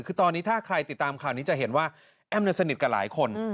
คือตอนนี้ถ้าใครติดตามข่าวนี้จะเห็นว่าแอ้มสนิทกับหลายคน